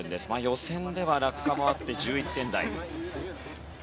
予選では落下もあって１１点台。